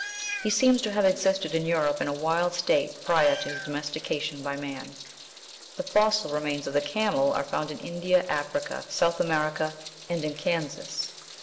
He seems to have existed in Europe in a wild state prior to his domestication by man. The fossil remains of the camel are found in India, Africa, South America, and in Kansas.